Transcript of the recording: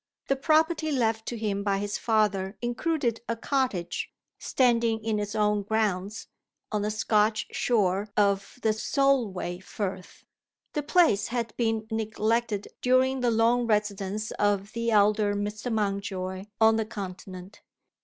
The property left to him by his father included a cottage, standing in its own grounds, on the Scotch shore of the Solway Firth. The place had been neglected during the long residence of the elder Mr. Mountjoy on the Continent.